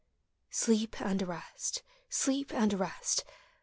Sleep and rest, sleep and rest.